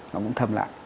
nó cũng thâm lại